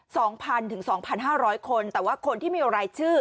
สองพันถึงสองพันห้าร้อยคนแต่ว่าคนที่มีรายชื่อ